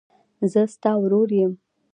زه ستا ورور یم.